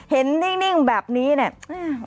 เห็นนิ่งแบบนี้นี่